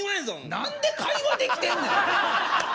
何で会話できてんねん！